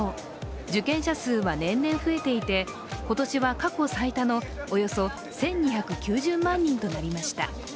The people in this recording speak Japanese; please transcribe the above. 受験者数は年々増えていて今年は過去最多のおよそ１２９０万人となりました。